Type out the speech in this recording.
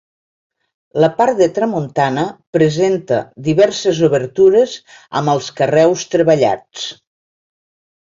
La part de tramuntana presenta diverses obertures amb els carreus treballats.